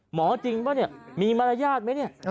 หมอจริงป่ะเนี่ยมีมารยาทไหมเนี่ย